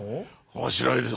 面白いです。